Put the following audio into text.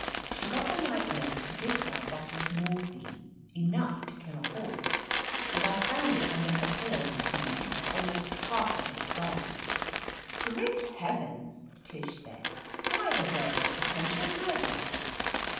She got the night nurse to give her a bottle of mor phine — enough to kill a horse. And I found' it under her pillow this morning, almost half of it gone !" "Great heavens!" Tish said. "Why, the girl's a potential murderess